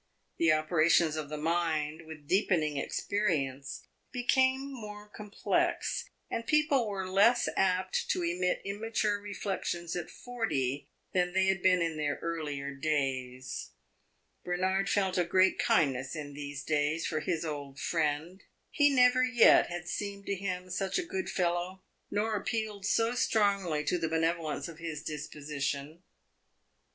The operations of the mind, with deepening experience, became more complex, and people were less apt to emit immature reflections at forty than they had been in their earlier days. Bernard felt a great kindness in these days for his old friend; he never yet had seemed to him such a good fellow, nor appealed so strongly to the benevolence of his disposition.